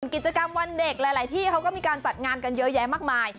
กิจกรรมวันเด็กหลายที่เขาก็มีการจัดงานกันเยอะแยะมากมาย